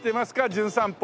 『じゅん散歩』。